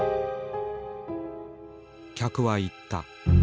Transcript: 客は言った。